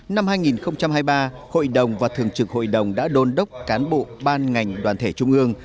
năm hai nghìn hai mươi ba hội đồng và thường trực hội đồng đã đôn đốc cán bộ ban ngành đoàn thể trung ương